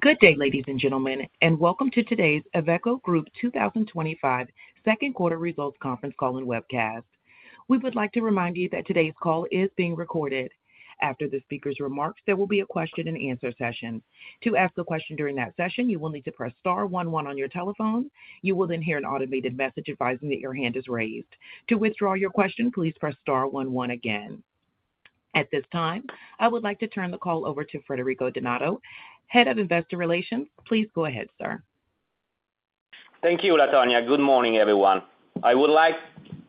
Good day, ladies and gentlemen, and welcome to today's Iveco Group 2025 Second Quarter Results Conference Call and webcast. We would like to remind you that today's call is being recorded. After the speakers' remarks, there will be a question and answer session. To ask a question during that session, you will need to press star one one on your telephone. You will then hear an automated message advising that your hand is raised. To withdraw your question, please press star one one again. At this time, I would like to turn the call over to Federico Donati, Head of Investor Relations. Please go ahead, sir. Thank you. Good morning everyone. I would like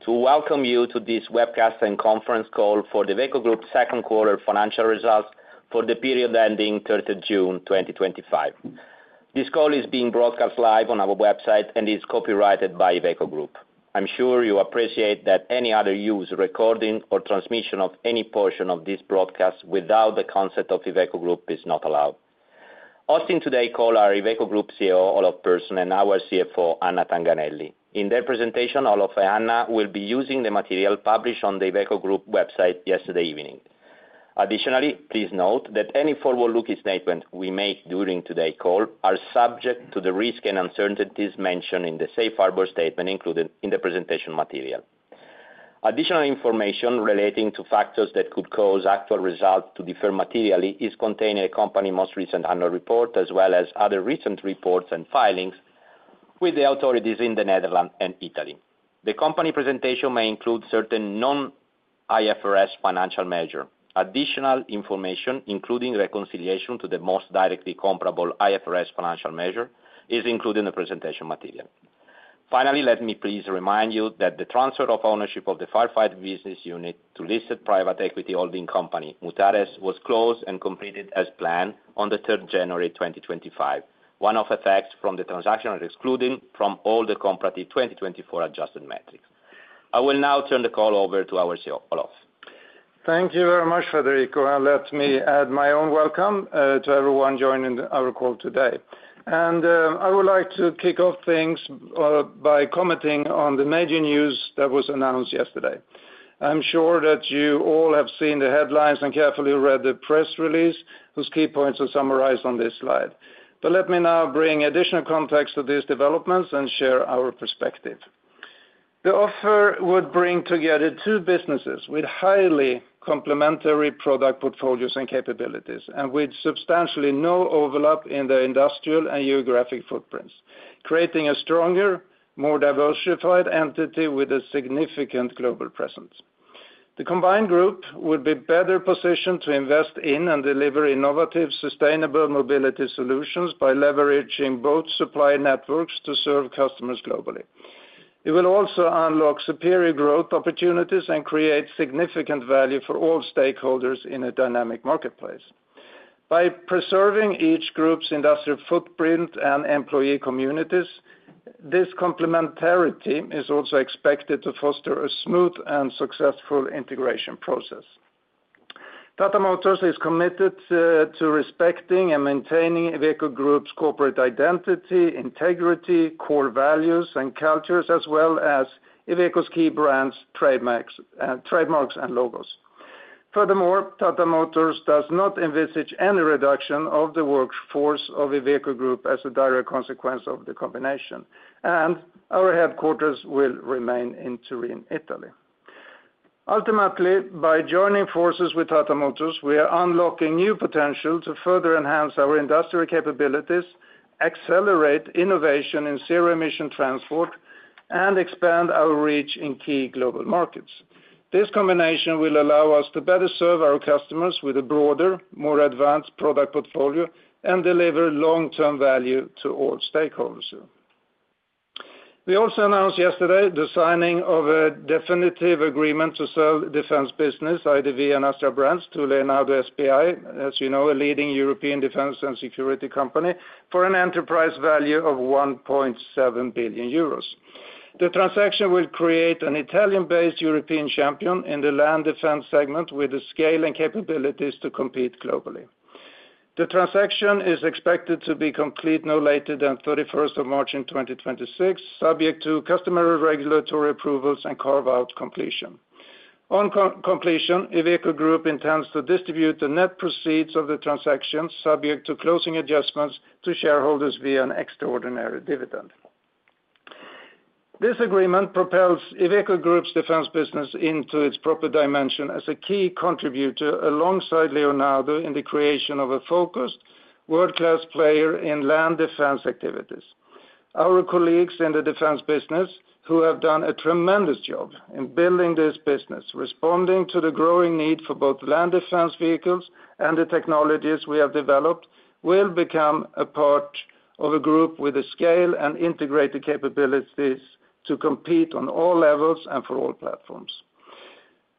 to welcome you to this webcast and conference call for the IVECO Group second quarter financial results for the period ending 30 June 2025. This call is being broadcast live on our website and is copyrighted by IVECO Group. I'm sure you appreciate that any other use, recording or transmission of any portion of this broadcast without the consent of IVECO Group is not allowed. Joining today are our IVECO Group CEO Olof Persson and our CFO Anna Tanganelli in their presentation. Olof and Anna will be using the material published on the IVECO Group website yesterday evening. Additionally, please note that any forward looking statements we make during today's call are subject to the risks and uncertainties mentioned in the Safe Harbor statement included in the presentation material. Additional information relating to factors that could cause actual results to differ materially is contained in the company's most recent annual report as well as other reports and filings with the authorities in the Netherlands and Italy. The company presentation may include certain non-IFRS financial measures. Additional information including reconciliation to the most directly comparable IFRS financial measures is included in the presentation material. Finally, let me please remind you that the transfer of ownership of the Firefighting Business unit to listed private equity holding company Mutares was closed and completed as planned on 3 January 2025. One-off effects from the transaction are excluded from all the comparative 2024 adjusted metrics. I will now turn the call over to our CEO Olof. Thank you very much Federico, and let me add my own welcome to everyone joining our call today. I would like to kick off things by commenting on the major news that was announced yesterday. I'm sure that you all have seen the headlines and carefully read the press release, whose key points are summarized on this slide. Let me now bring additional context to these developments and share our perspective. The offer would bring together two businesses with highly complementary product portfolios and capabilities, and with substantially no overlap in their industrial and geographic footprints, creating a stronger, more diversified entity with a significant global presence. The combined group will be better positioned to invest in and deliver innovative sustainable mobility solutions. By leveraging both supply networks to serve customers globally, it will also unlock superior growth opportunities and create significant value for all stakeholders in a dynamic marketplace. By preserving each group's industrial footprint and employee communities, this complementary team is also expected to foster a smooth and successful integration process. Tata Motors is committed to respecting and maintaining IVECO Group's corporate identity, integrity, core values, and cultures, as well as IVECO's key brands, trademarks, and logos. Furthermore, Tata Motors does not envisage any reduction of the workforce of IVECO Group as a direct consequence of the combination, and our headquarters will remain in Turin, Italy. Ultimately, by joining forces with Tata Motors, we are unlocking new potential to further enhance our industrial capabilities, accelerate innovation in zero emission transport, and expand our reach in key global markets. This combination will allow us to better serve our customers with a broader, more advanced product portfolio and deliver long term value to all stakeholders. We also announced yesterday the signing of a definitive agreement to sell Defence business, IDV and Astra brands, to Leonardo S.p.A., as you know, a leading European defence and security company, for an enterprise value of 1.7 billion euros. The transaction will create an Italian-based European champion in the land defence segment with the scale and capabilities to compete globally. The transaction is expected to be complete no later than March 31, 2026, subject to customary regulatory approvals and carve out completion on completion. IVECO Group intends to distribute the net proceeds of the transaction, subject to closing adjustments, to shareholders via an extraordinary dividend. This agreement propels IVECO Group's Defence business into its proper dimension as a key contributor alongside Leonardo in the creation of a focused world-class player in land defence activities. Our colleagues in the Defence business, who have done a tremendous job in building this business, responding to the growing need for both land defence vehicles and the technologies we have developed, will become a part of a group with the scale and integrated capabilities to compete on all levels and for all platforms,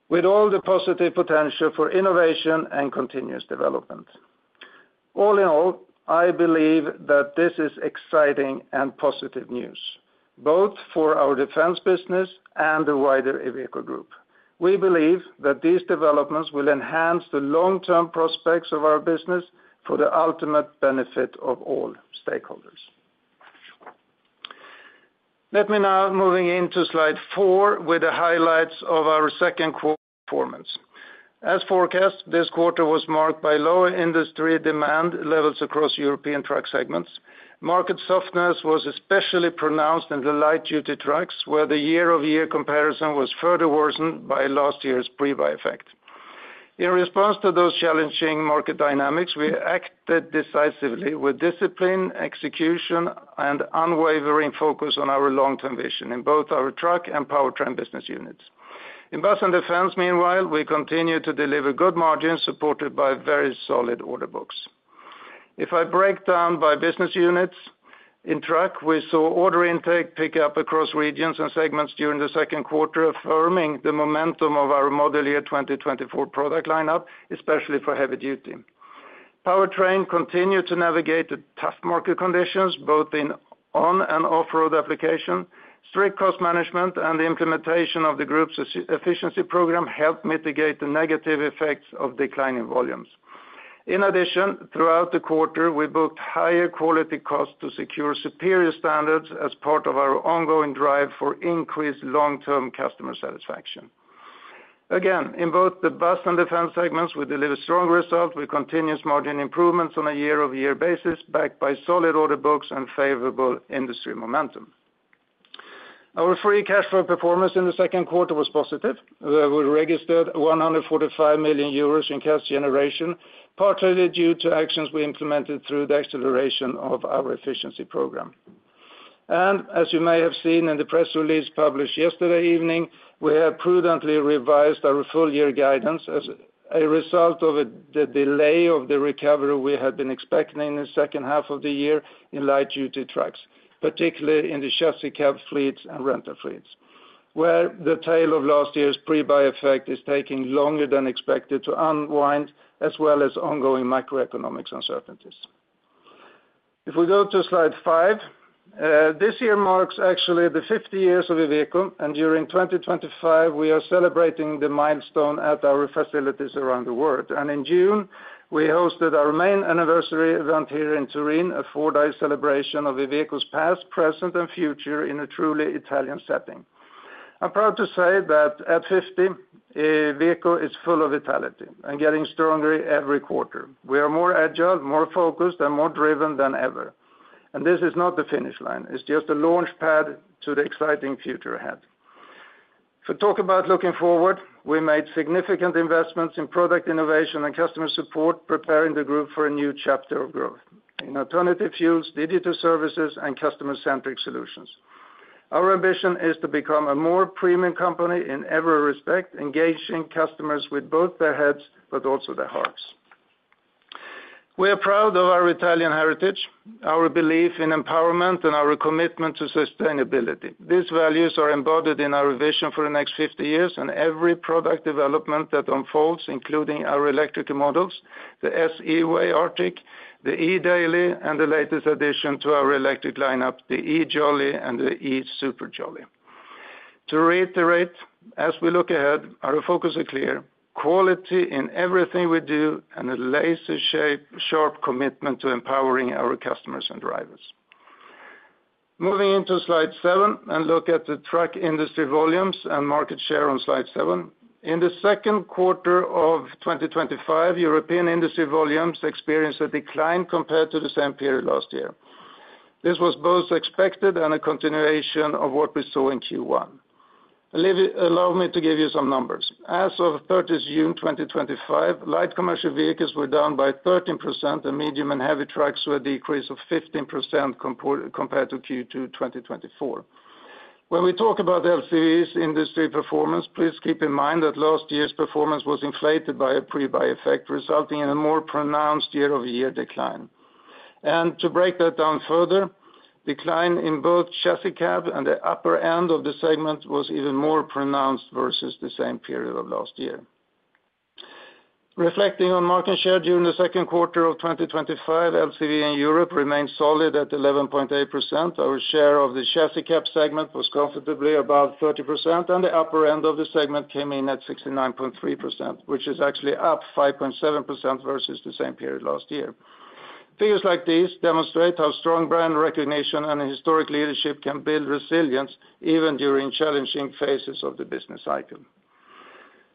with all the positive potential for innovation and continuous development. All in all, I believe that this is exciting and positive news both for our Defence business and the wider IVECO Group. We believe that these developments will enhance the long-term prospects of our business for the ultimate benefit of all stakeholders. Let me now move into Slide 4 with the highlights of our second quarter performance. As forecast, this quarter was marked by lower industry demand levels across European truck segments. Market softness was especially pronounced in the light-duty trucks, where the year-over-year comparison was further worsened by last year's pre-buy effect. In response to those challenging market dynamics, we acted decisively with discipline, execution, and unwavering focus on our long-term vision in both our truck and powertrain business units, in bus and Defence. Meanwhile, we continue to deliver good margins supported by very solid order books. If I break down by business units, in truck, we saw order intake pick up across regions and segments during the second quarter, affirming the momentum of our model year 2024 product lineup, especially for heavy-duty. Powertrain continued to navigate tough market conditions both in on- and off-road application. Strict cost management and the implementation of the Group's efficiency program helped mitigate the negative effects of declining volumes. In addition, throughout the quarter, we booked higher quality costs to secure superior standards as part of our ongoing drive for increased long-term customer satisfaction. Again, in both the bus and Defence segments, we deliver strong results with continuous margin improvements on a year-over-year basis, backed by solid order books and favorable industry momentum. Our free cash flow performance in the second quarter was positive. We registered 145 million euros in cash generation, partly due to actions we implemented through the acceleration of our efficiency program. As you may have seen in the press release published yesterday evening, we have prudently revised our full year guidance as a result of the delay of the recovery we had been expecting in the second half of the year in light-duty trucks, particularly in the chassis cab fleets and rental fleets where the tail of last year's pre-buy effect is taking longer than expected to unwind, as well as ongoing macroeconomic uncertainties. If we go to slide 5, this year marks actually the 50 years of IVECO, and during 2025 we are celebrating the milestone at our facilities around the world. In June, we hosted our main anniversary event here in Turin, a four-day celebration of IVECO's past, present, and future in a truly Italian setting. I'm proud to say that at 50, IVECO is full of vitality and getting stronger every quarter. We are more agile, more focused, and more driven than ever, and this is not the finish line. It's just a launch pad to the exciting future ahead. To talk about looking forward, we made significant investments in product innovation and customer support, preparing the group for a new chapter of growth in alternative fuels, digital services, and customer-centric solutions. Our ambition is to become a more premium company in every respect, engaging customers with both their heads but also their hearts. We are proud of our Italian heritage, our belief in empowerment, and our commitment to sustainability. These values are embodied in our vision for the next 50 years and every product development that unfolds, including our electric models, the S-Way Arctic, the E-Daily, and the latest addition to our electric lineup, the E-Jolly and the E-Super Jolly. To reiterate, as we look ahead, our focus is clear: quality in everything we do and a laser-sharp commitment to empowering our customers and drivers. Moving into slide seven and looking at the truck industry volumes and market share on slide 7, in the second quarter of 2025, European industry volumes experienced a decline compared to the same period last year. This was both expected and a continuation of what we saw in Q1. Allow me to give you some numbers. As of 30 June 2025, light commercial vehicles were down by 13%, and medium and heavy trucks were a decrease of 15% compared to Q2 2024. When we talk about LCV's industry performance, please keep in mind that last year's performance was inflated by a pre-buy effect, resulting in a more pronounced year-over-year decline. To break that down, further decline in both chassis cab and the upper end of the segment was even more pronounced versus the same period of last year. Reflecting on market share during the second quarter of 2025, LCV in Europe remained solid at 11.8%. Our share of the chassis cab segment was comfortably above 30%, and the upper end of the segment came in at 69.3%, which is actually up 5.7% versus the same period last year. Figures like these demonstrate how strong brand recognition and historic leadership can build resilience even during challenging phases of the business cycle.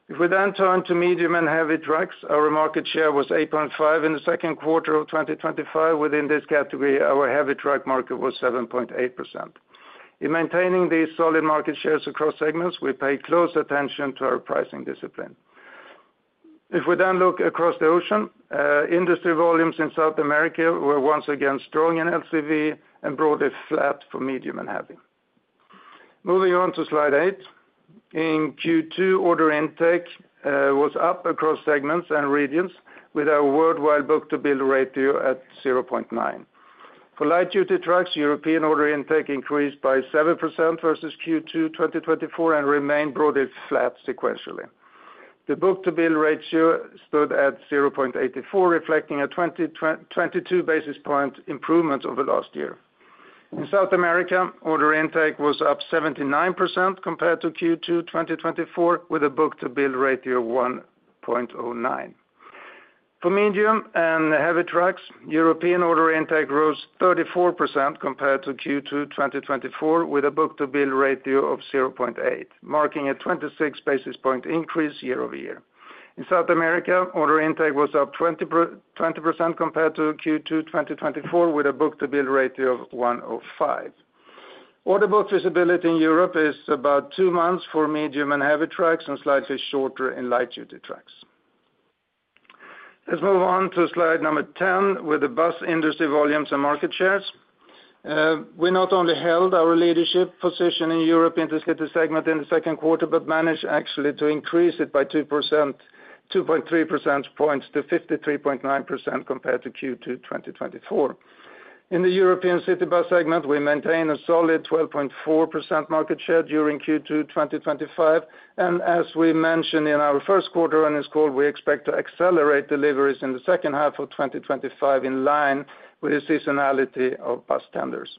If we then turn to medium and heavy trucks, our market share was 8.5% in the second quarter of 2025. Within this category, our heavy truck market was 7.8%. In maintaining these solid market shares across segments, we pay close attention to our pricing discipline. If we then look across the ocean, industry volumes in South America were once again strong in LCV and broadly flat for medium and heavy. Moving on to slide 8, in Q2, order intake was up across segments and regions, with our worldwide book-to-build ratio at. For light-duty trucks, European order intake increased by 7% versus Q2 2024 and remained broadly flat. Sequentially, the book-to-bill ratio stood at 0.84, reflecting a 22 basis point improvement over last year. In South America, order intake was up 79% compared to Q2 2024, with a book-to-build ratio of 1. For medium and heavy trucks, European order intake rose 34% compared to Q2 2024, with a book-to-bill ratio of 0.8, marking a 26 basis point increase year-over-year. In South America, order intake was up 20% compared to Q2 2024, with a book-to-bill ratio of 1.05. Order book visibility in Europe is about two months for medium and heavy trucks and slightly shorter in light-duty trucks. Let's move on to slide number 10 with the bus industry volumes and market shares. We not only held our leadership position in Europe in the city segment in the second quarter, but managed actually to increase it by 2.3 percentage points to 53.9% compared to Q2 2024. In the European city bus segment, we maintain a solid 12.4% market share during Q2 2025, and as we mentioned in our first quarter earnings call, we expect to accelerate deliveries in the second half of 2025 in line with the seasonality of bus tenders.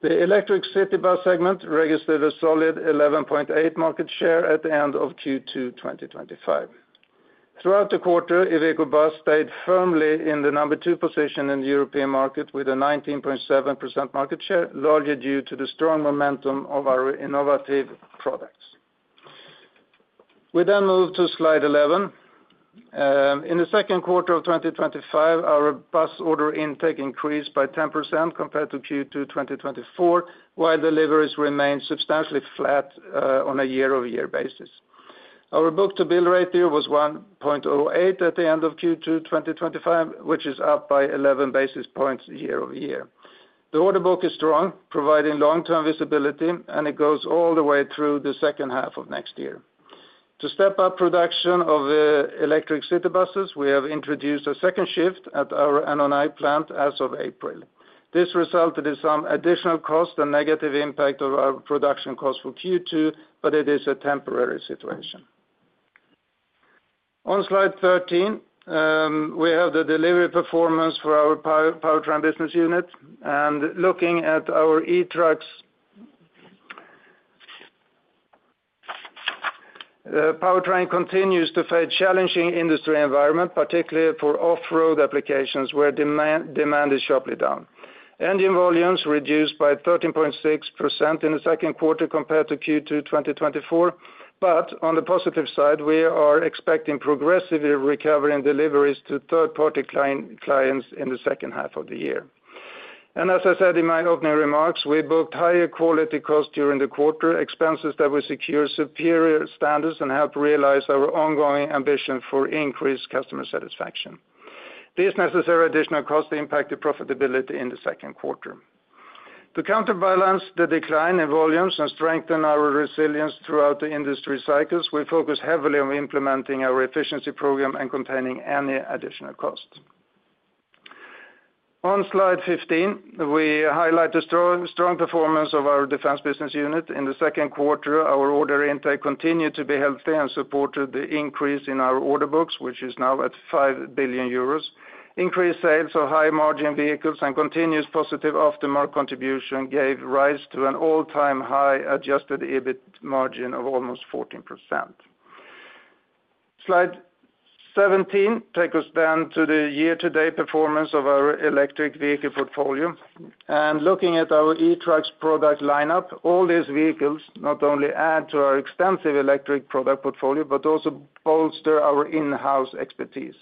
The electric city bus segment registered a solid 11.8% market share at the end of Q2 2025. Throughout the quarter, Iveco Bus stayed firmly in the number two position in the European market with a 19.7% market share, largely due to the strong momentum of our innovative products. We then move to Slide 11. In the second quarter of 2025, our bus order intake increased by 10% compared to Q2 2024, while deliveries remained substantially flat on a year-over-year basis. Our book-to-bill rate there was 1.08 at the end of Q2 2025, which is up by 11 basis points year over year. The order book is strong, providing long-term visibility, and it goes all the way through the second half of next year. To step up production of electric city buses, we have introduced a second shift at our Annon I plant as of April. This resulted in some additional cost and negative impact on our production cost for Q2, but it is a temporary situation. On Slide 13, we have the delivery performance for our powertrain business unit, and looking at our E-Trucks, powertrain continues to face a challenging industry environment, particularly for off-road applications where demand is sharply down. Engine volumes reduced by 13.6% in the second quarter compared to Q2 2024. On the positive side, we are expecting progressive recovery in deliveries to third-party clients in the second half of the year, and as I said in my opening remarks, we booked higher quality costs during the quarter, expenses that will secure superior standards and help realize our ongoing ambition for increased customer satisfaction. These necessary additional costs impacted profitability in the second quarter. To counterbalance the decline in volumes and strengthen our resilience throughout the industry cycles, we focus heavily on implementing our efficiency program and containing any additional costs. On Slide 15, we highlight the strong performance of our Defence business unit in the second quarter. Our order intake continued to be healthy and supported the increase in our order books, which is now at 5 billion euros. Increased sales of high-margin vehicles and continuous positive aftermarket contribution gave rise to an all-time high adjusted EBIT margin of almost 14%. Slide 17 takes us then to the year to date performance of our electric vehicle portfolio and looking at our E-Trucks product lineup. All these vehicles not only add to our extensive electric product portfolio but also bolster our in-house expertise.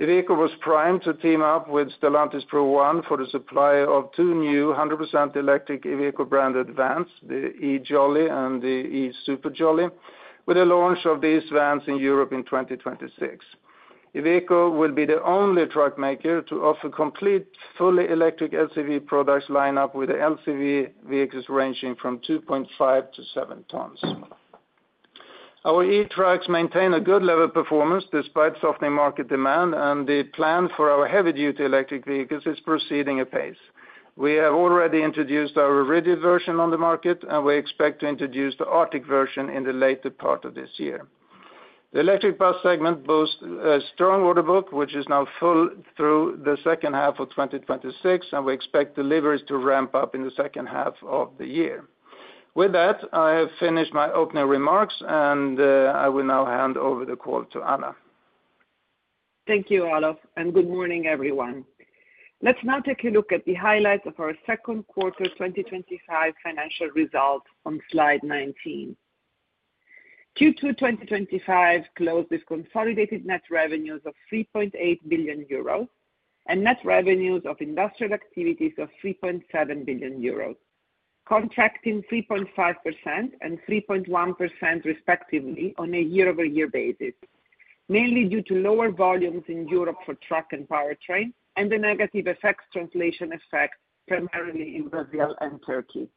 The vehicle was primed to team up with Stellantis Pro One for the supply of two new 100% electric EV brand advanced the E-Jolly and the E-Super Jolly. With the launch of these vans in Europe in 2026, IVECO will be the only truck maker to offer complete fully electric LCV products lineup with LCV vehicles ranging from 2.5-7 tonnes. Our E-Trucks maintain a good level of performance despite softening market demand and the plan for our heavy-duty electric vehicles is proceeding apace. We have already introduced our rigid version on the market and we expect to introduce the Arctic version in the later part of this year. The electric bus segment boasts a strong order book which is now full through the second half of 2026 and we expect deliveries to ramp up in the second half of the year. With that I have finished my opening remarks and I will now hand over the call to Anna. Thank you Olof and good morning everyone. Let's now take a look at the highlights of our second quarter 2025 financial results on slide 19. Q2 2025 closed with consolidated net revenues of 3.8 billion euros and net revenues of industrial activities of 3.7 billion euros, contracting 3.5% and 3.1% respectively on a year over year basis, mainly due to lower volumes in Europe for truck and powertrain and the negative FX translation effect. Primarily in Brazil and Turkey.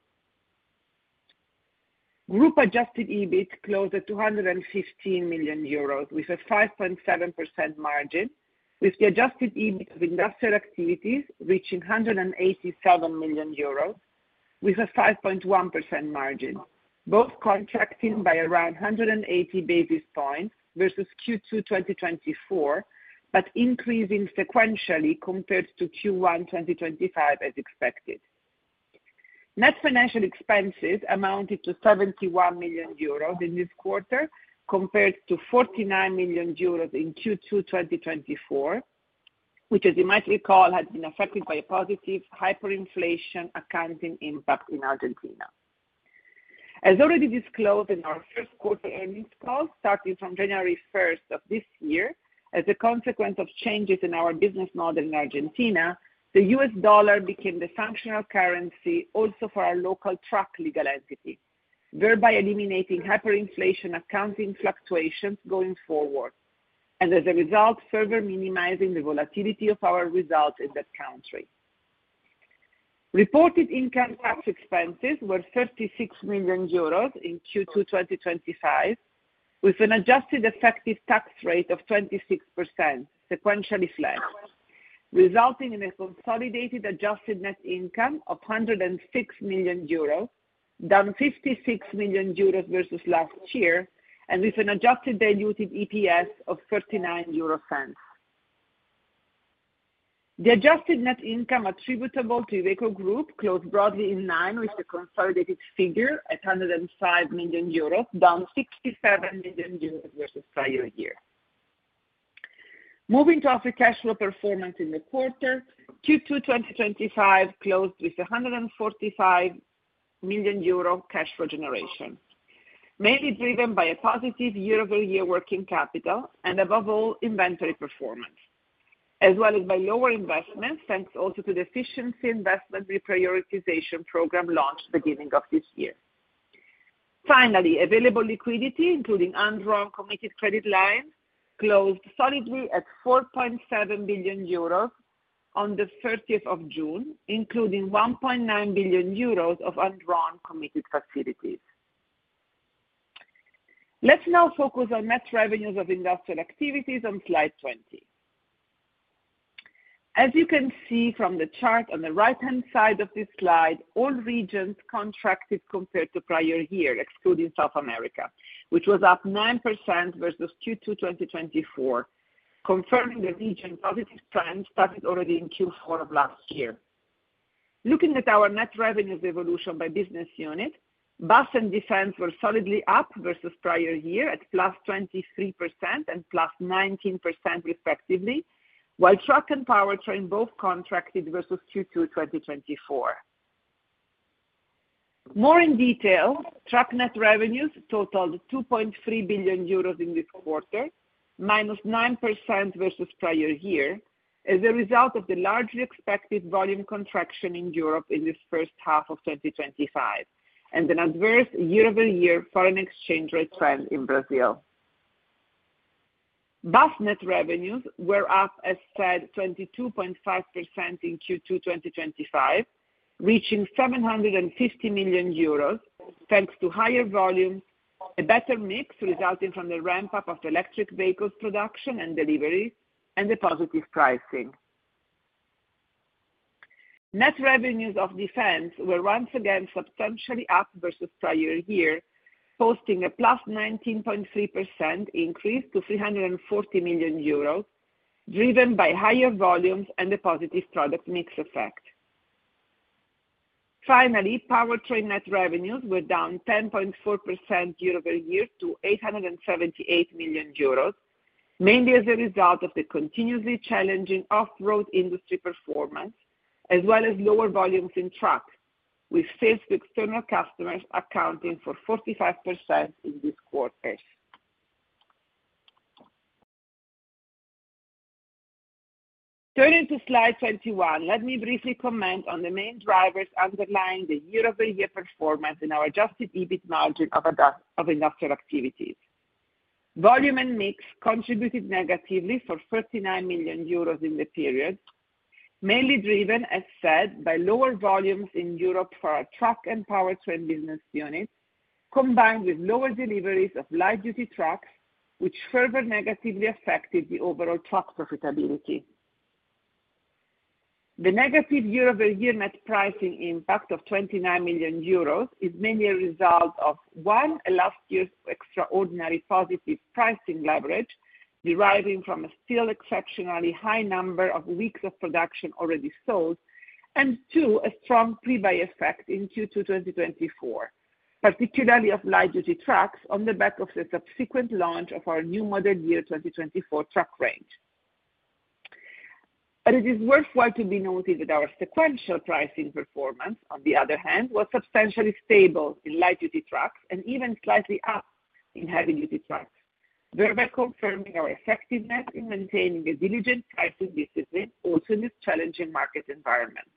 Group adjusted EBIT closed at 215 million euros with a 5.7% margin, with the adjusted EBIT of industrial activities reaching 187 million euros with a 5.1% margin, both contracting by around 180 basis points versus Q2 2024 but increasing sequentially compared to Q1 2025. As expected, net financial expenses amounted to 71 million euros in this quarter compared to 49 million euros in Q2 2024, which as you might recall had been affected by a positive hyperinflation accounting impact in Argentina. As already disclosed in our first quarter earnings call, starting from January 1 of this year, as a consequence of changes in our business model in Argentina, the U.S. Dollar became the functional currency also for our local truck legal entity, thereby eliminating hyperinflation accounting fluctuations going forward and as a result further minimizing the volatility of our results in that country. Reported income tax expenses were 36 million euros in Q2 2025 with an adjusted effective tax rate of 26% sequentially flat, resulting in a consolidated adjusted net income of 106 million euros, down 56 million euros versus last year and with an adjusted diluted EPS of 0.39. The adjusted net income attributable to IVECO Group closed broadly in line with the consolidated figure at 105 million euros, down 67 million euros versus prior year. Moving to our free cash flow performance in the quarter, Q2 2025 closed with 145 million euro cash flow generation mainly driven by a positive year-over-year working capital and above all inventory performance as well as by lower investments thanks also to the Efficiency Investment Reprioritization program. at the beginning of this year. Finally, available liquidity including undrawn committed credit lines closed solidly at 4.7 billion euros on 30 June, including 1.9 billion euros of undrawn committed facilities. Let's now focus on net revenues of industrial activities on slide 20. As you can see from the chart on the right-hand side of this slide, all regions contracted compared to prior year excluding South America, which was up 9% versus Q2 2024, confirming the region positive trends started already in Q4 of last year. Looking at our net revenues evolution by business unit, Bus and Defense were solidly up versus prior year at 23% and 19% respectively, while Truck and Powertrain both contracted versus Q2 2024. More in detail, Truck net revenues totaled 2.3 billion euros in the quarter, minus 9% versus prior year as a result of the largely expected volume contraction in Europe in the first half of 2025 and an adverse year-over-year foreign exchange rate trend. In Brazil. Bus net revenues were up as said 22.5% in Q2 2025, reaching 750 million euros thanks to higher volumes, a better mix resulting from the ramp up of electric vehicles production and deliveries, and the positive pricing. Net revenues of Defence were once again substantially up versus prior year, posting a plus 19.3% increase to 340 million euros, driven by higher volumes and a positive product mix effect. Finally, Powertrain net revenues were down 10.4% year over year to 878 million euros, mainly as a result of the continuously challenging off-road industry performance as well as lower volumes in truck, with sales to external customers accounting for 45% in these quarters. Turning to slide 21, let me briefly comment on the main drivers underlying the year over year performance and our adjusted EBIT margin of industrial activities. Volume and mix contributed negatively for 39 million euros in the period, mainly driven as said by lower volumes in Europe for our truck and Powertrain business units, combined with lower deliveries of light-duty trucks, which further negatively affected the overall truck profitability. The negative year over year net pricing impact of 29 million euros is mainly a result of, one, last year's extraordinary positive pricing leverage deriving from a still exceptionally high number of weeks of production already sold, and two, a strong pre-buy effect in Q2 2024, particularly of light-duty trucks on the back of the subsequent launch of our new model year 2024 truck range. It is worthwhile to be noted that our sequential pricing performance, on the other hand, was substantially stable in light-duty trucks and even slightly up in heavy-duty trucks, thereby confirming our effectiveness in maintaining a diligent pricing discipline also in this challenging market environment.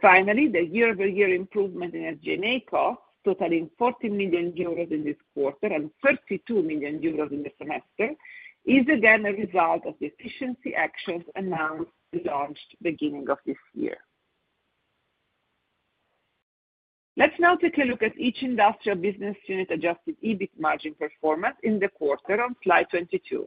Finally, the year over year improvement in FGA costs totaling 40 million euros in this quarter and 32 million euros in the semester is again a result of the efficiency actions announced and launched at the beginning of this year. Let's now take a look at each industrial business unit adjusted EBIT margin performance in the quarter on slide 22.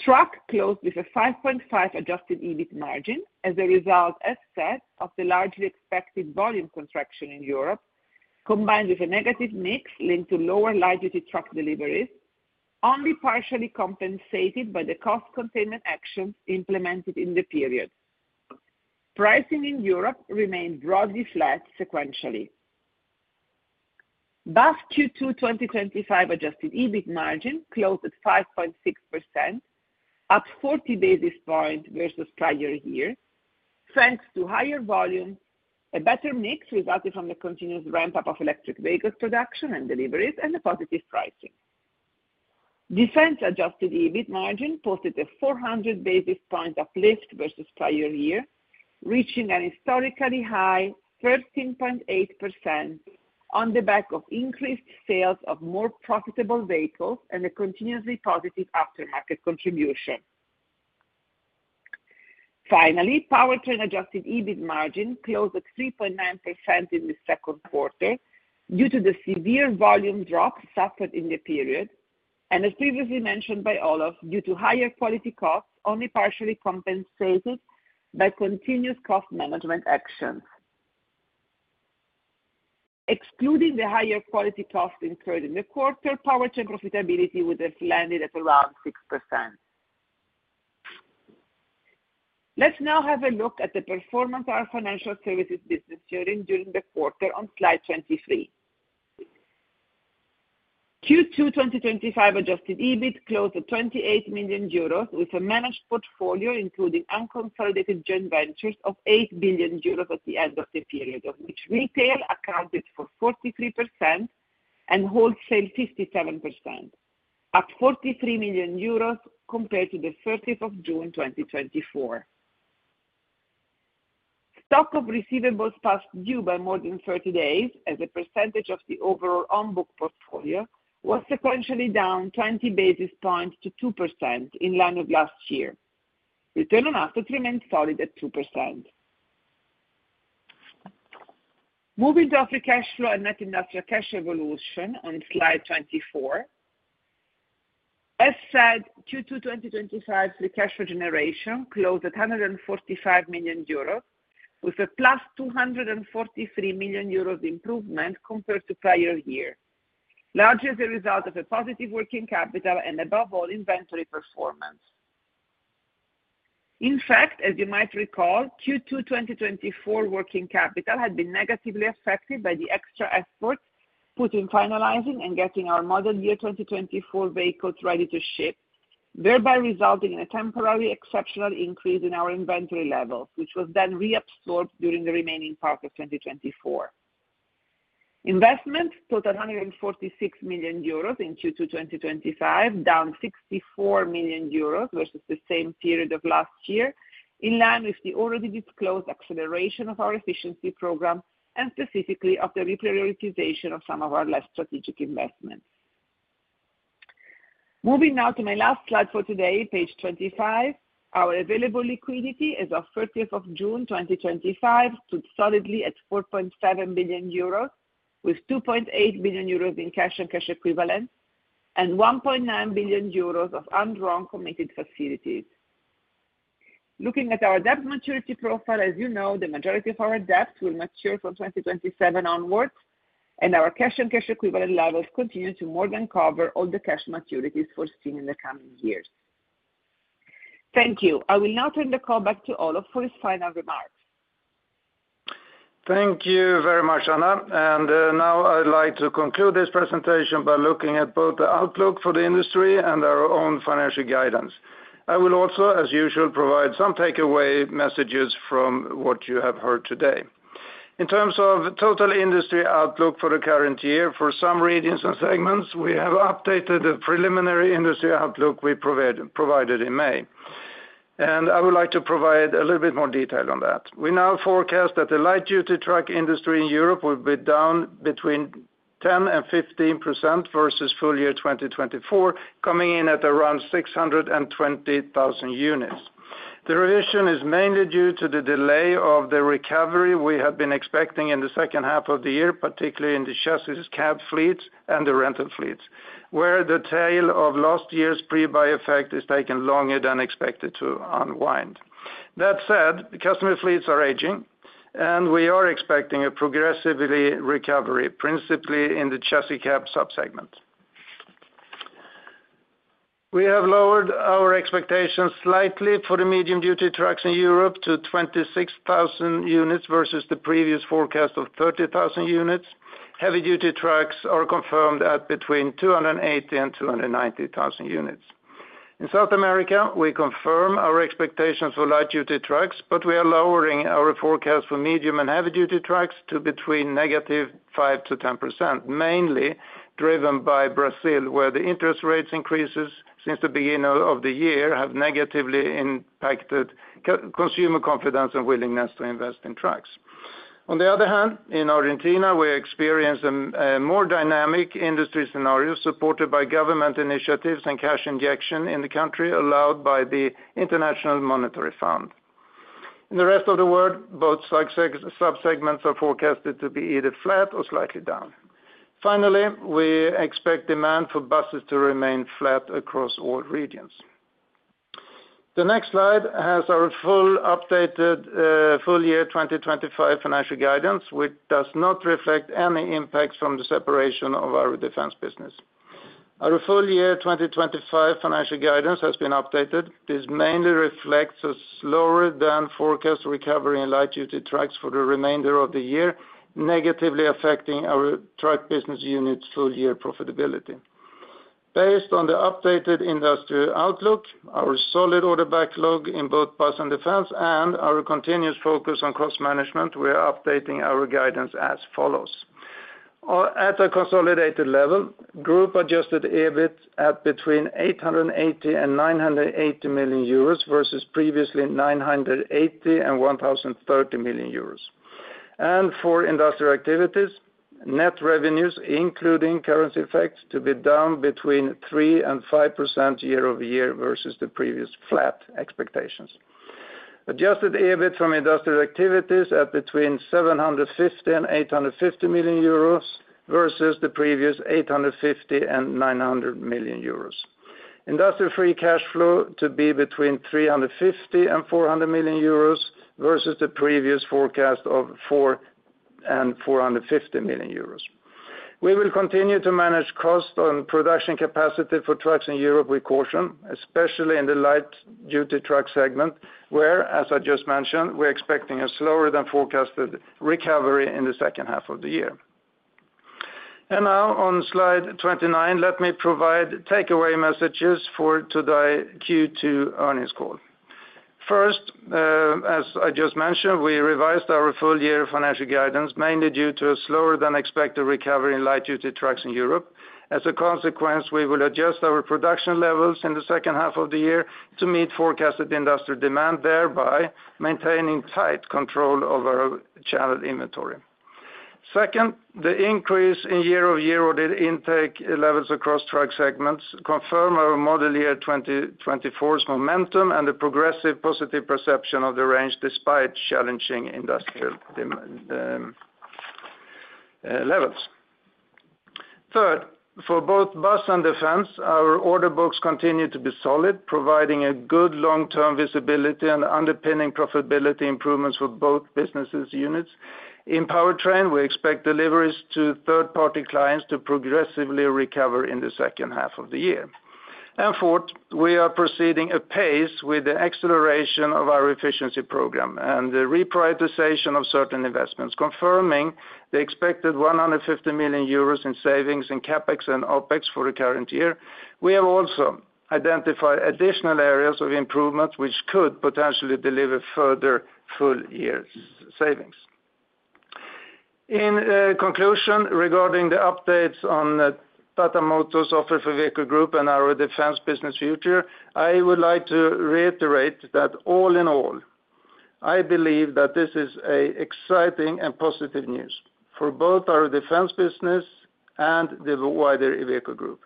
Truck closed with a 5.5% adjusted EBIT margin as a result, as said, of the largely expected volume contraction in Europe combined with a negative mix linked to lower light-duty truck deliveries, only partially compensated by the cost containment actions implemented in the period. Pricing in Europe remained broadly flat sequentially. Bus Q2 2025 adjusted EBIT margin closed at 5.6%, up 40 basis points versus prior year thanks to higher volume. A better mix resulted from the continuous ramp up of electric vehicles production and deliveries and the positive pricing defense. Adjusted EBIT margin posted a 400 basis point uplift versus prior year, reaching an historically high 13.8% on the back of increased sales of more profitable vehicles and a continuously positive aftermarket contribution. Finally, powertrain adjusted EBIT margin closed at 3.9% in the second quarter due to the severe volume drops suffered in the period and, as previously mentioned by Olof Persson, due to higher quality costs only partially compensated by continuous cost management actions. Excluding the higher quality costs incurred in the quarter, powertrain profitability would have landed at around 6%. Let's now have a look at the performance of our financial services business during the quarter on slide 23. Q2 2025 adjusted EBIT closed at 28 million euros with a managed portfolio including unconsolidated joint ventures of 8 billion euros at the end of the period, of which retail accounted for 43% and wholesale 57% at EUR 4.3 billion compared to 30th of June 2024. Stock of receivables past due by more than 30 days as a percentage of the overall own book portfolio was sequentially down 20 basis points to 2%, in line with last year. Return on assets remained solid at 2%. Moving to our free cash flow and net industrial cash evolution on slide 24. As said, Q2 2025 free cash generation closed at 145 million euros with a 243 million euros improvement compared to prior year, largely as a result of a positive working capital and above all inventory performance. In fact, as you might recall, Q2 2024 working capital had been negatively affected by the extra effort put in finalizing and getting our model year 2024 vehicles ready to ship, thereby resulting in a temporary exceptional increase in our inventory levels, which was then reabsorbed during the remaining part of 2024. Investment totaled 146 million euros in Q2 2025, down 60 million euros versus the same period of last year, in line with the already disclosed acceleration of our efficiency program and specifically of the reprioritization of some. Of our less strategic investments. Moving now to my last slide for today, page 25, our available liquidity as of June 30, 2025, stood solidly at 4.7 billion euros, with 2.8 billion euros in cash and cash equivalents and 1.9 billion euros of undrawn committed facilities. Looking at our debt maturity profile, as you know, the majority of our debt will mature from 2027 onwards, and our cash and cash equivalent levels continue to more than cover all the cash maturities foreseen in the coming years. Thank you. I will now turn the call back to Olof for his final remarks. Thank you very much, Anna. I would like to conclude this presentation by looking at both the outlook for the industry and our own financial guidance. I will also, as usual, provide some takeaway messages from what you have heard today. In terms of total industry outlook for the current year for some regions and segments, we have updated the preliminary industry outlook we provided in May, and I would like to provide a little bit more detail on that. We now forecast that the light-duty truck industry in Europe will be down between 10% and 15% versus full year 2024, coming in at around 620,000 units. The revision is mainly due to the delay of the recovery we have been expecting in the second half of the year, particularly in the chassis cab fleets and the rental fleets where the tail of last year's pre-buy effect is taking longer than expected to unwind. That said, customer fleets are aging, and we are expecting a progressive recovery principally in the chassis cab subsegment. We have lowered our expectations slightly for the medium-duty trucks in Europe to 26,000 units versus the previous forecast of 30,000 units. Heavy-duty trucks are confirmed at between 280,000 and 290,000 units. In South America, we confirm our expectations for light-duty trucks, but we are lowering our forecast for medium and heavy-duty trucks to be between negative 5%-10%, mainly driven by Brazil where the interest rates increases since the beginning of the year have negatively impacted consumer confidence and willingness to invest in trucks. On the other hand, in Argentina, we experience a more dynamic industry scenario supported by government initiatives and cash injection in the country allowed by the International Monetary Fund. In the rest of the world, both subsegments are forecasted to be either flat or slightly down. Finally, we expect demand for buses to remain flat across all regions. The next slide has our full updated full year 2025 financial guidance, which does not reflect any impacts from the separation of our Defence business. Our full year 2025 financial guidance has been updated. This mainly reflects a slower than forecast recovery in light-duty trucks for the remainder of the year, negatively affecting our truck business unit's full year profitability. Based on the updated industrial outlook, our solid order backlog in both bus and Defence and our continuous focus on cost management, we are updating our guidance as follows. At a consolidated level, Group adjusted EBITDA at between 880 million and 980 million euros versus previously 980 million and 1,030 million euros, and for Industrial Activities, net revenues including currency effects to be down between 3% and 5% year over year versus the previous flat expectations. Adjusted EBIT from Industrial Activities at between 750 million and 850 million euros versus the previous 850 million and 900 million euros. Industrial free cash flow to be between 350 million and 400 million euros versus the previous forecast of 400 million and 450 million euros. We will continue to manage cost on production capacity for trucks in Europe with caution, especially in the light-duty truck segment where, as I just mentioned, we're expecting a slower than forecasted recovery in the second half of the year. Now on Slide 29, let me provide takeaway messages for today. Q2 earnings call. First, as I just mentioned, we revised our full year financial guidance mainly due to a slower than expected recovery in light-duty trucks in Europe. As a consequence, we will adjust our production levels in the second half of the year to meet forecasted industrial demand, thereby maintaining tight control over channel inventory. Second, the increase in year over year order intake levels across truck segments confirm our model year 2024's momentum and a progressive positive perception of the range despite challenging industrial levels. Third, for both bus and Defence, our order books continue to be solid, providing a good long-term visibility and underpinning profitability improvements for both businesses. Units in Powertrain, we expect deliveries to third-party clients to progressively recover in the second half of the year. Fourth, we are proceeding apace with the acceleration of our efficiency program and the reprioritization of certain investments, confirming the expected 150 million euros in savings in CapEx and OpEx for the current year. We have also identified additional areas of improvement which could potentially deliver further full year savings. In conclusion, regarding the updates on Tata Motors' offer for Iveco Group and our Defence business future, I would like to reiterate that all in all I believe that this is exciting and positive news for both our Defence business and the wider Iveco Group.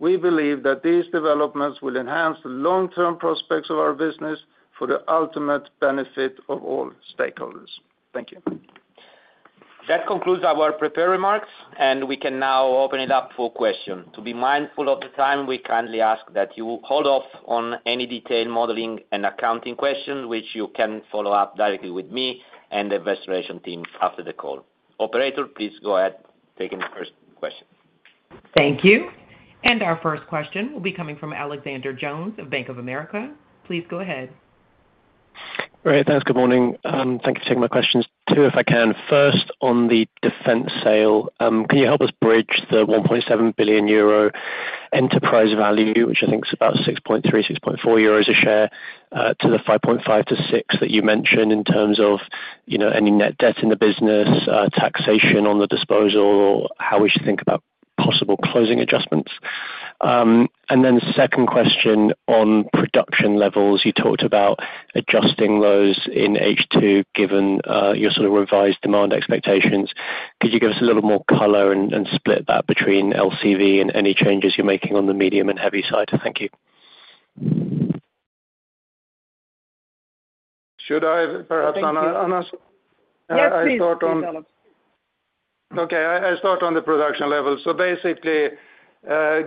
We believe that these developments will enhance the long-term prospects of our business for the ultimate benefit of all stakeholders. Thank you. That concludes our prepared remarks and we can now open it up for questions. To be mindful of the time, we kindly ask that you hold off on any detailed modeling and accounting questions, which you can follow up directly with me and the Investor Relations team after the call. Operator, please go ahead. Taking the first question. Thank you. Our first question will be coming from Alexander Jones of Bank of America. Please go ahead. Great, thanks. Good morning. Thank you for taking my questions. Two, if I can. First, on the Defence sale, can you help us bridge the 1.7 billion euro enterprise value, which I think is about 6.36 euros per share, to the 5.5-6 that you mentioned in terms of, you know, any net debt in the business, taxation on the disposal, or how we should think about possible closing adjustments. My second question on production levels, you talked about adjustments, lows in H2. Given your sort of revised demand expectations, could you give us a little more color and split that between LCV and any changes you're making on the medium and heavy side? Thank you. Okay, I start on the production level. Basically,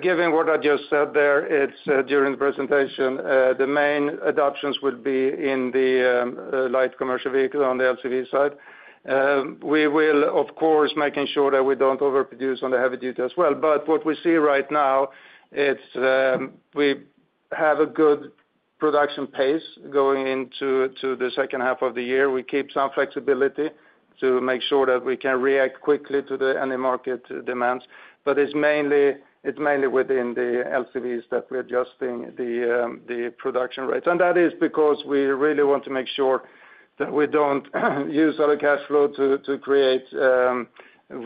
given what I just said during the presentation, the main adoptions would be in the light commercial vehicle. On the LCV side, we will of course make sure that we don't overproduce on the heavy-duty as well. What we see right now is we have a good production pace going into the second half of the year. We keep some flexibility to make sure that we can react quickly to the end market demands. It's mainly within the LCVs that we're adjusting the production rates. That is because we really want to make sure that we don't use other cash flow to create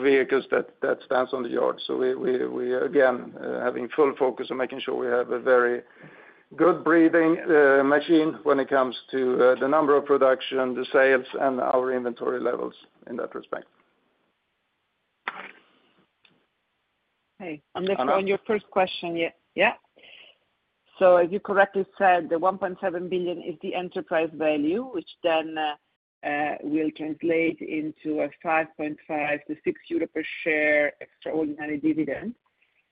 vehicles that stand on the yard. We again have full focus on making sure we have a very good breathing machine when it comes to the number of production, the sales, and our inventory levels in that respect. On your first question. Yeah. As you correctly said, the 1.7 billion is the enterprise value, which then will translate into a 5.5 to 6 billion euro. Per share extraordinary dividend.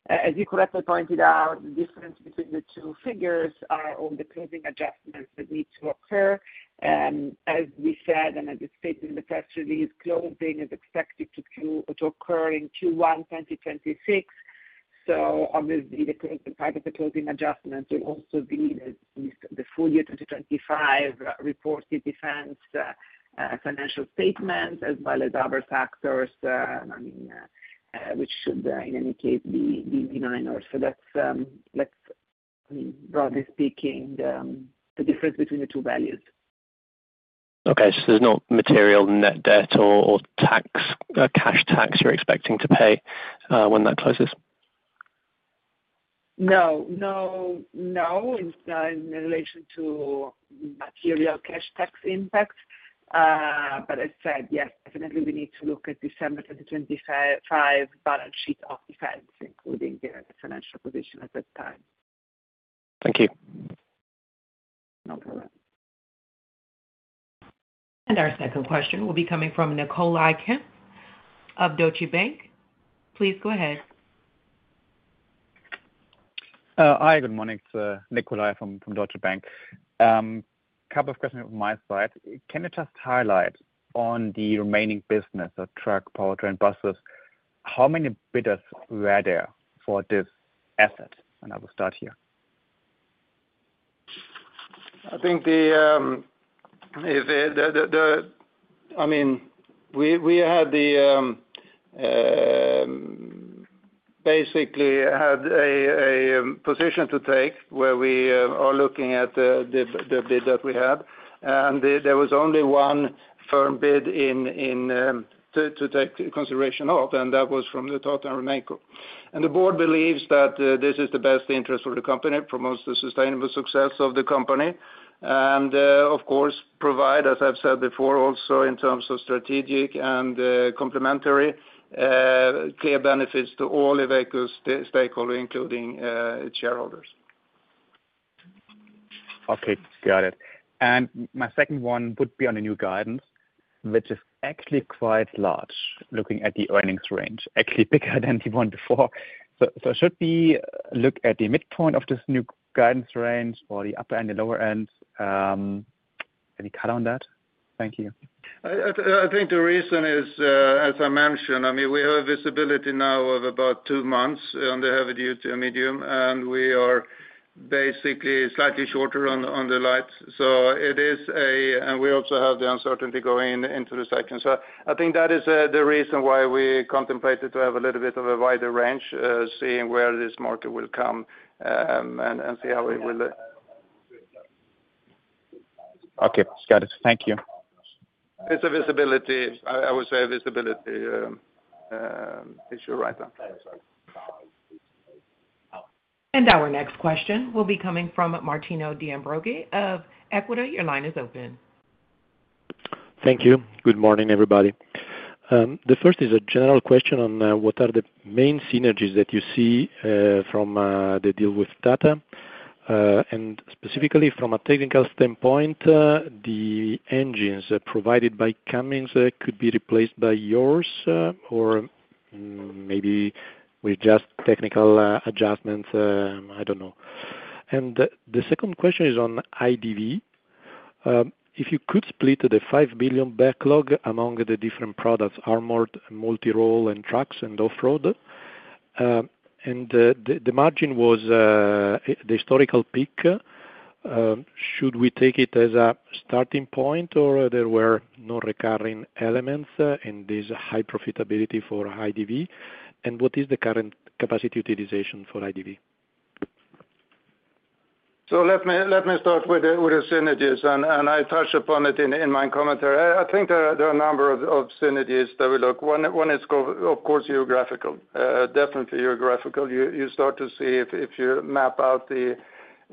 As you correctly pointed out, the difference. Between the two figures are all the closing adjustments that need to occur. As we said and as it is stated in the press release, closing is expected. To occur in Q1 2026. Obviously, the type of the closing adjustments will also be the full year 2025 reported Defence financial statements, as well as other factors, which should in any case be denied. That's broadly speaking the difference between the two values. Okay, so there's no material net debt or cash tax you're expecting to pay when that closes? No, in relation to material cash tax impact. Yes, definitely. We need to look at December 2025. Balance sheet of Defence, including the financial position at this time. Thank you. No problem. Our second question will be coming from Nicolai Kempf of Deutsche Bank. Please go ahead. Hi, good morning. Nicolai from Deutsche Bank. Couple of questions on my side. Can you just highlight on the remaining business of truck, powertrain, buses, how many bidders were there for this asset? I will start here. I think we basically had a position to take where we are looking at the bid that we had and there was only one firm bid to take consideration of and that was from Tata Motors and the Board believes that this is the best interest for the company. It promotes the sustainable success of the company and of course provides, as I've said before, also in terms of strategic and complementary clear benefits to all Iveco's stakeholders, including its shareholders. Okay, got it. My second one would be on the new guidance, which is actually quite large, looking at the earnings range, actually bigger than the one before. Should we look at the midpoint of this new guidance, guidance range for the upper end and lower end? Any cut on that? Thank you. I think the reason is as I mentioned, we have a visibility now of about two months on the heavy-duty, medium, and we are basically slightly shorter on the lights. We also have the uncertainty going into the section. I think that is the reason why we contemplated to have a little bit of a wider range, seeing where this market will come and see how it will. Okay, Scott, thank you. It's a visibility issue right now. Our next question will be coming from Martino De Ambroggi of Equita. Your line is open. Thank you. Good morning everybody. The first is a general question on what are the main synergies that you see from the deal with Tata and specifically from a technical standpoint, the engines provided by Cummins could be replaced by yours or maybe with just technical adjustments, I don't know. The second question is on IDV, if you could split the $5 billion backlog among the different products, armored, multirole and trucks and off road, and the margin was the historical peak, should we take it as a starting point. There were no recurring elements in this high profitability for IDV and what is the current capacity utilization for IDV? Let me start with the synergies, and I touched upon it in my commentary. I think there are a number of synergies that we look at. One is, of course, geographical, definitely geographical. You start to see if you map out the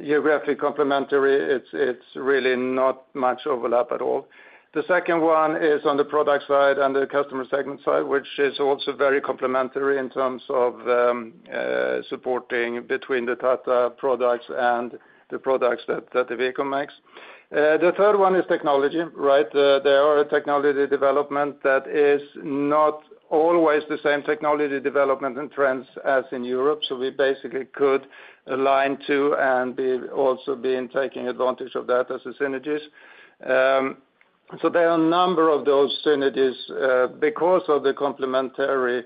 geographic complementary, there's really not much overlap at all. The second one is on the product side and the customer segment side, which is also very complementary in terms of supporting between the Tata products and the products that the vehicle makes. The third one is technology. There are technology developments that are not always the same technology developments and trends as in Europe. We basically could align to and also be taking advantage of that as a synergy. There are a number of those synergies because of the complementary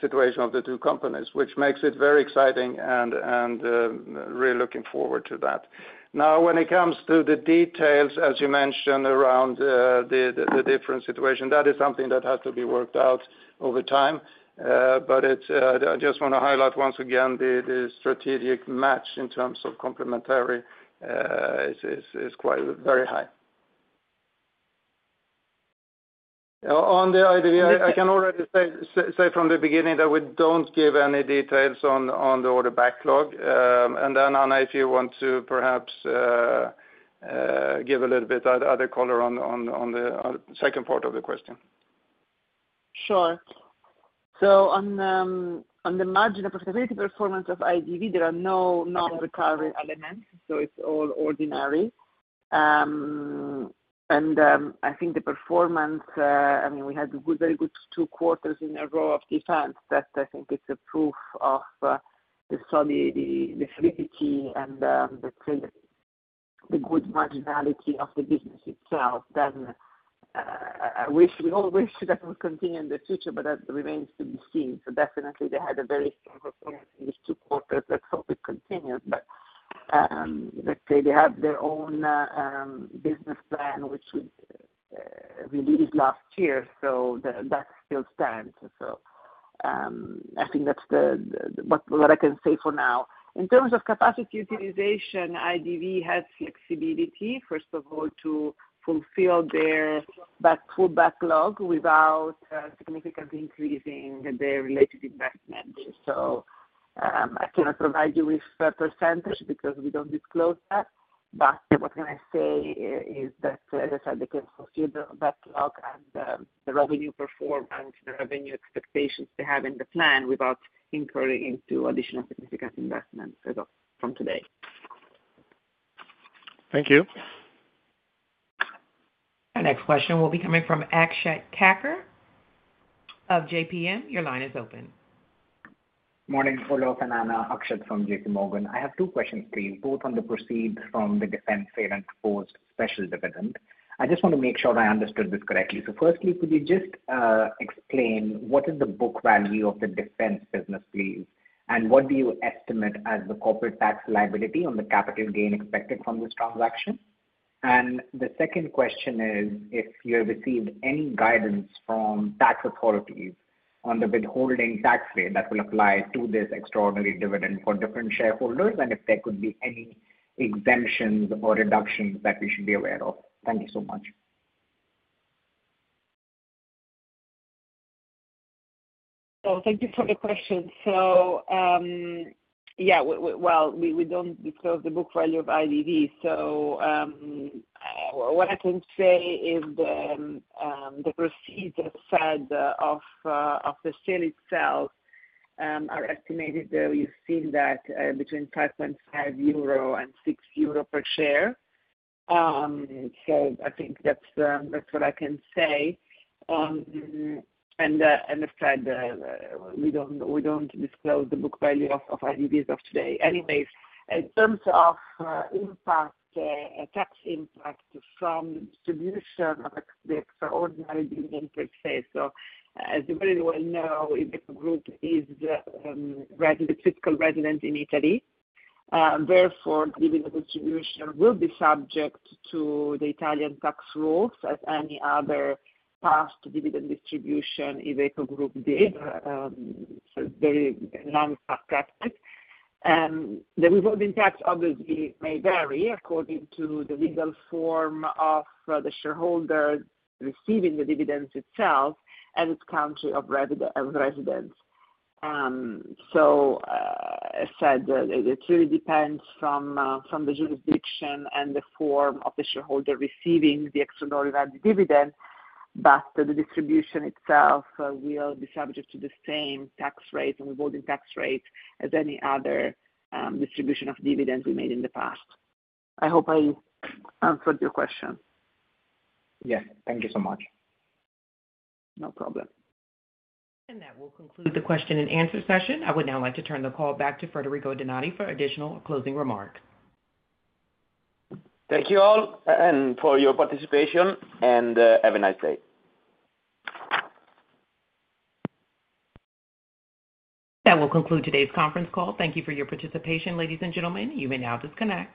situation of the two companies, which makes it very exciting and really looking forward to that. When it comes to the details, as you mentioned, around the different situation, that is something that has to be worked out over time. I just want to highlight once again the strategic match in terms of complementary is quite very high on the IDV. I can already say from the beginning that we don't give any details on the order backlog. Anna, if you want to perhaps give a little bit other color on the second part of the question. Sure. On the marginal profitability performance of IDV, there are no non-recurring elements. It's all ordinary. I think the performance, I mean we had very. Good two quarters in a row. Defense, that I think is a proof of the solidity and the good marginality of the business itself. I wish, we all wish that. Would continue in the future, but that. remains to be seen. They had a very strong year. Let's hope it continues. They have their own business plan which released last year, so that still stands. I think that's what I can say for now. In terms of capacity utilization, IDV has flexibility, first of all, to fulfill their. Full backlog without significantly increasing their related investment. I cannot provide you with %. Because we don't disclose that. What I can say is that as I said they can fulfill the backlog and the revenue performance, the revenue. Expectations they have in the plan without. Incurring into additional significant investments as of today. Thank you. Our next question will be coming from Akshat Kacker of JPM. Your line is open. Morning. Olof and Anna, Akshat from JP Morgan. I have two questions please, both on the proceeds from the Defence post special dividend. I just want to make sure I understood this correctly. Firstly, could you just explain what is the book value of the Defence business please, and what do you estimate as the corporate tax liability on the capital gain expected from this transaction? The second question is if you have received any guidance from tax authorities on the withholding tax rate that will apply to this extraordinary dividend for different shareholders, and if there could be any exemptions or reductions that we should be aware of. Thank you so much. Thank you for the question. We don't disclose the book value of IDV. What I can say is the proceeds, as said, of the sale itself. They're estimated, though you've seen that between 5.5 euro and 6 euro per share. I think that's what I can say. Aside, we don't disclose the book value of IDV as of today. Anyways, in terms of impact, tax. Impact from distribution of the extraordinary dividend per se. As you very well know, Iveco Group is fiscal resident in Italy. Therefore, dividend distribution will be subject to the Italian tax rules as any other. Past dividend distribution Iveco Group did. The withholding tax obviously may vary according to the legal form of the shareholder. Receiving the dividends itself as its country of residence. As said, it really depends from. The jurisdiction and the form of the. Shareholder receiving the extraordinary dividend. The distribution itself will be subject. To the same tax rate and withholding. Tax rates as any other distribution of. Dividends we made in the past. I hope I answered your question. Yes, thank you so much. No problem. That will conclude the question and answer session. I would now like to turn the call back to Federico Donati for additional closing remarks. Thank you all for your participation. Have a nice day. That will conclude today's conference call. Thank you for your participation, ladies and gentlemen. You may now disconnect.